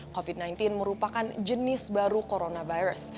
covid sembilan belas merupakan jenis baru coronavirus